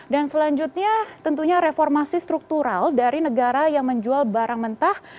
dan selanjutnya tentunya reformasi struktural dari negara yang menjual barang mentah